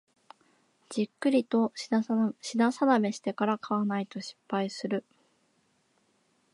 じっくりと品定めしてから買わないと失敗する